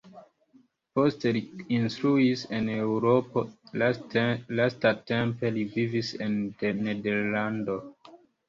Poste li instruis en Eŭropo, lastatempe li vivis en Nederlando.